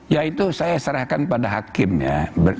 ya itu saya serahkan pada hakim ya